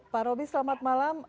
pak roby selamat malam